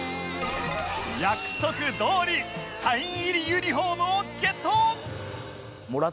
約束どおりサイン入りユニフォームをゲット！